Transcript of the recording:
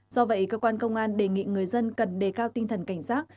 do vậy cơ quan công an đề nghị người dân cần đề cao tinh thần cảnh giác